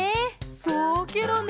そうケロね。